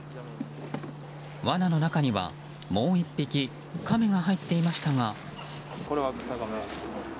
わなの中には、もう１匹カメが入っていましたが。